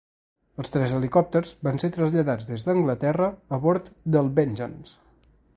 Els tres helicòpters van ser traslladats des d'Anglaterra a bord del "Vengeance".